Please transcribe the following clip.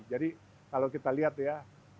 jadi kalau kita lihat ya